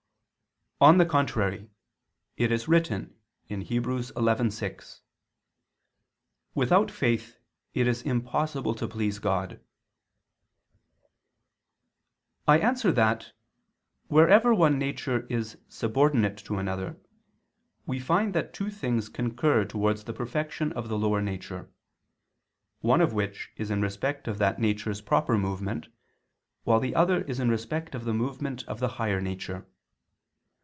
On the contrary, It is written (Heb. 11:6): "Without faith it is impossible to please God." I answer that, Wherever one nature is subordinate to another, we find that two things concur towards the perfection of the lower nature, one of which is in respect of that nature's proper movement, while the other is in respect of the movement of the higher nature.